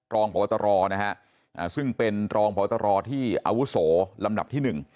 รองพบตรนะฮะซึ่งเป็นรองพตรที่อาวุโสลำดับที่หนึ่ง